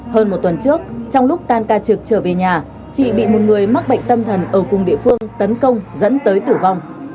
hơn một tuần trước trong lúc tan ca trực trở về nhà chị bị một người mắc bệnh tâm thần ở cùng địa phương tấn công dẫn tới tử vong